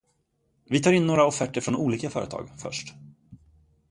Vi tar in offerter från några olika företag, först.